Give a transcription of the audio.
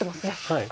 はい。